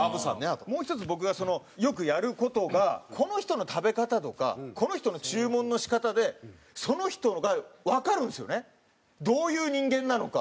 もう１つ僕がよくやる事がこの人の食べ方とかこの人の注文の仕方でその人がわかるんですよねどういう人間なのか。